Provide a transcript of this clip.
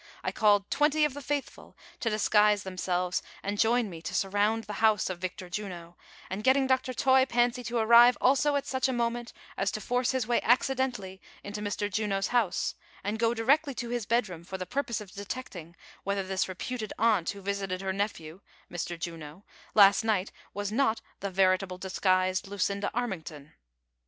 I called twenty of the faithful to disguise themselves, and join me to surround the house of Victor Juno ; and getting Dr. Toy Fancy to arrive also at such a moment as to force his way accidentally into Mr. Juno's house, and go directly to his bedroom for the purpose of detecting whether this reputed aunt who visited her nephew— Mr. Juno— last night, was not the veritable disguised Lucinda Armington.